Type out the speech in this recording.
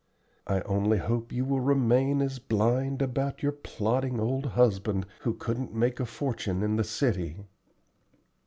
"I only hope you will remain as blind about your plodding old husband who couldn't make a fortune in the city."